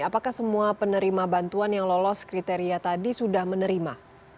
apakah semua penerima bantuan yang lolos kriteria tadi sudah menerima